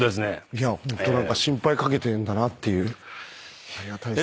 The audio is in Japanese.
いやホント心配掛けてんだなっていうありがたいです。